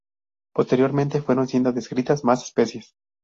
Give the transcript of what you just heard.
Posteriormente fueron siendo descritas más especies.